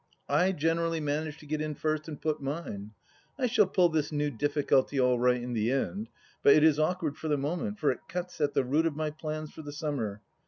I generally manage to get in first and put mine. I shall pull this new difficulty all right in the end, but it is awkward for the moment, for it cuts at the root of my plans for the summer.